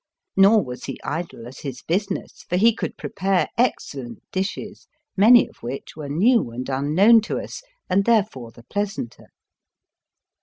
Nor was he idle at his business, for he could prepare excellent dishes, many of which were new and unknown to us, and therefore the pleasanter.